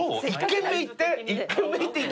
１軒目行って？